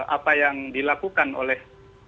apa yang dilakukan oleh